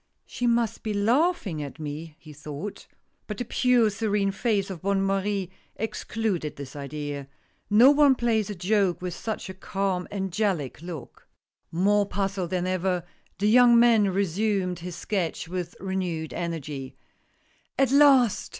" She must be laughing at me !" he thought. But the pure, serene face of Bonne Marie excluded this idea. No one plays a joke with such a calm angelic 134 THE STUDIO. look. More puzzled than ever, the young man resumed his sketch with renewed energy. " At last